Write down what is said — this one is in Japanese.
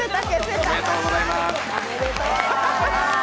おめでとうございます。